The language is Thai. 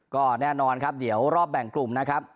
ก็แน่นอนครับเดี๋ยวรอบแบ่งกลุ่มนะครับ